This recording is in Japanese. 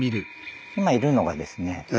今いるのがですね